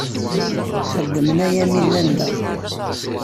Xedmen aya mi llan da.